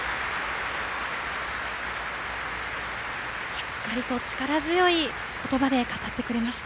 しっかりと力強い言葉で語ってくれました。